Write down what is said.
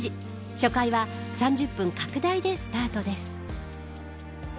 初回は３０分拡大でスタートです。